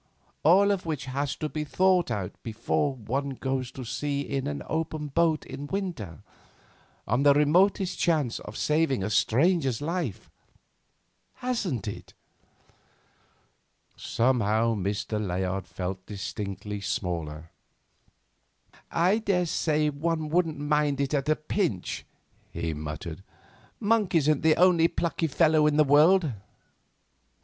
All of which has to be thought of before one goes to sea in an open boat in winter, on the remotest chance of saving a stranger's life—hasn't it?" Somehow Mr. Layard felt distinctly smaller. "I daresay one wouldn't mind it at a pinch," he muttered; "Monk isn't the only plucky fellow in the world."